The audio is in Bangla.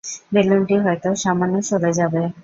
বেলুনটি হয়তো সামান্য সরে যাবে।